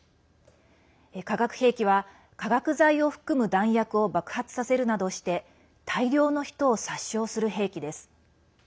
化学兵器は化学剤を含む弾薬を爆発させるなどして大量の人を殺傷する兵器です。